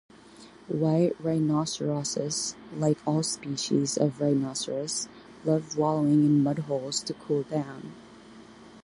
White rhinoceroses, like all species of rhinoceros, love wallowing in mudholes to cool down.